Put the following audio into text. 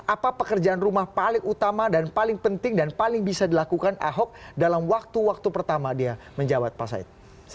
apa pekerjaan rumah paling utama dan paling penting dan paling bisa dilakukan ahok dalam waktu waktu pertama dia menjawab pak said